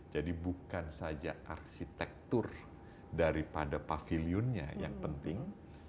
jadi bukan saja arsitektur daripada pavilionnya yang penting